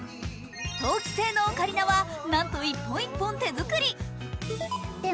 陶器製のオカリナは、なんと一本一本手作り。